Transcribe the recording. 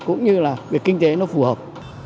cũng như là việc kinh tế nó phù hợp